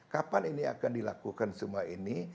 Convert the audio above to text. kapan ini akan dilakukan semua ini